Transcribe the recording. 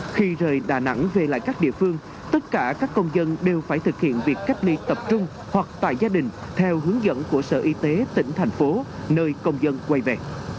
khi rời đà nẵng về lại các địa phương tất cả các công dân đều phải thực hiện việc cách ly tập trung hoặc tại gia đình theo hướng dẫn của sở y tế tỉnh thành phố nơi công dân quay về